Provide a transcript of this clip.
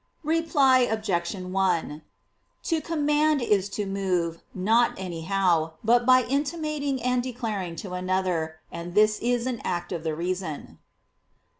Reply Obj. 1: To command is to move, not anyhow, but by intimating and declaring to another; and this is an act of the reason.